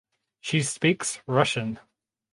She speaks Russian.